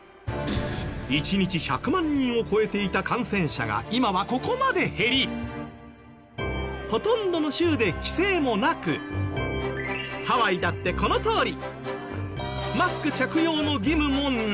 １日１００万人を超えていた感染者が今はここまで減りほとんどの州で規制もなくハワイだってこのとおり。